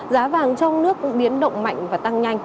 giá vàng trong nước biến động mạnh và tăng nhanh